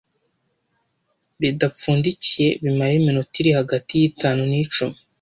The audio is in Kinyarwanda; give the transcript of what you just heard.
bidapfundikiye bimare iminota iri hagati y’itanu ni cumi